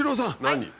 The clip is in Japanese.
何？